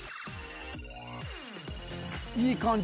いい感じ。